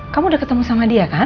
kamu udah ketemu sama dia kan